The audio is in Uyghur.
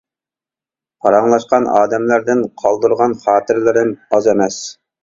پاراڭلاشقان ئادەملەردىن قالدۇرغان خاتىرىلىرىم ئاز ئەمەس.